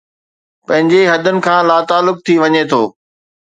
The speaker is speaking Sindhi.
پنهنجي حدن کان لاتعلق ٿي وڃي ٿو